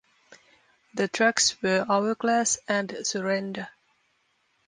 The tracks were "Hourglass" and "Surrender".